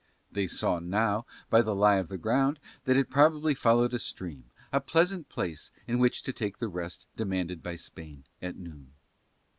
They saw now by the lie of the ground that it probably followed a stream, a pleasant place in which to take the rest demanded by Spain at noon.